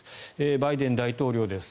バイデン大統領です。